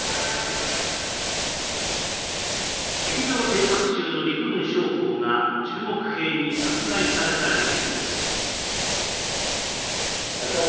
敵情偵察中の陸軍将校が中国兵に殺害された事件です。